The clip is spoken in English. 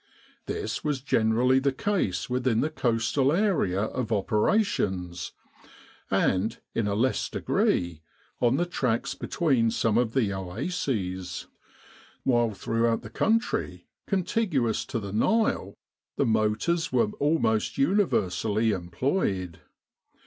This was generally the case within the coastal area of operations, and, in a less degree, on the tracks be tween some of the oases; while throughout the country contiguous to the Nile, the motors were almost universally employed.